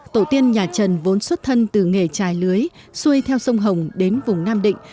tổ tiên nhà trần vốn xuất thân từ nghề trài lưới xuôi theo sông hồng đến vùng nam định